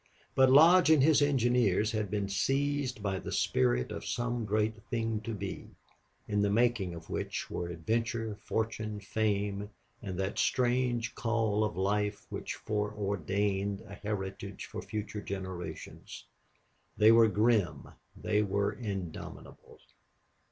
But Lodge and his engineers had been seized by the spirit of some great thing to be, in the making of which were adventure, fortune, fame, and that strange call of life which foreordained a heritage for future generations. They were grim; they were indomitable.